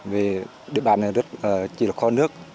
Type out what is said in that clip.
vì địa bàn này rất chỉ là kho nước